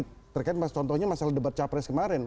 terkait contohnya masalah debat capres kemarin